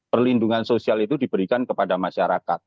perlindungan sosial itu diberikan kepada masyarakat